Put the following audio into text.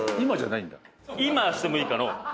今してもいいかのう？